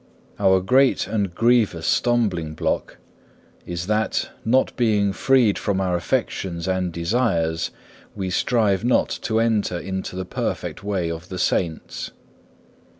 Our great and grievous stumbling block is that, not being freed from our affections and desires, we strive not to enter into the perfect way of the Saints.